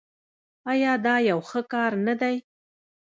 آیا دا یو ښه کار نه دی؟